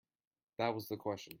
That was the question.